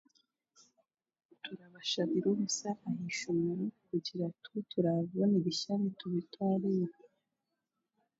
Turabashabira orusha aha ishomero kugira kuturaabibone ebishare tubitwareyo